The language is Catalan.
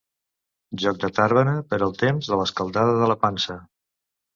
Joc de Tàrbena per al temps de l'escaldada de la pansa.